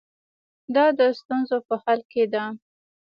دا د ستونزو په حل کې ده.